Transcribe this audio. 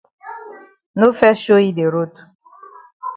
No fes show yi de road.